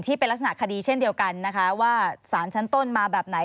ที่เป็นลักษณะคดีเช่นเดียวกันนะคะว่าสารชั้นต้นมาแบบไหน